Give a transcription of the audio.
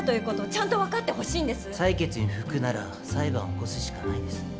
裁決に不服なら裁判を起こすしかないです。